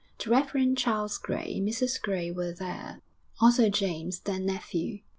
The Rev. Charles Gray and Mrs Gray were there, also James, their nephew.